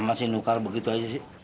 masih nukar begitu aja sih